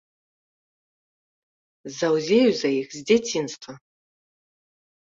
Заўзею за іх з дзяцінства.